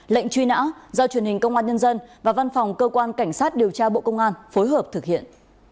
lệnh truy nã do truyền hình công an nhân dân và văn phòng cơ quan cảnh sát điều tra bộ công an phối hợp thực hiện